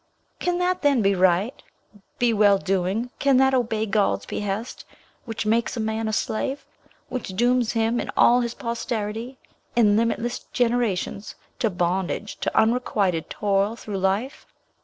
Can that then be right, be well doing can that obey God's behest, which makes a man a slave? which dooms him and all his posterity, in limitless Generations, to bondage, to unrequited toil through life?